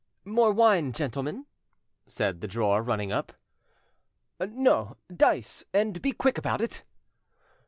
"More wine, gentlemen?" said the drawer, running up. "No, dice; and be quick about it."